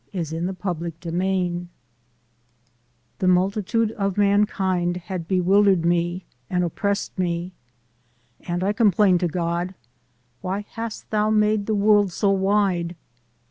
MY AMEEICAN "JBIG BEOTHEE" The multitude of mankind had bewildered me and oppressed me, And I complained to God, Why hast thou made the world so wide?